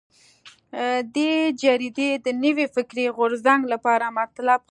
دې جریدې د نوي فکري غورځنګ لپاره مطالب خپرول.